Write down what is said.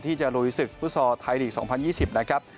ที่จะโรยีศึกภูตศไทยฤีกษ์๒๐๒๐นะครับ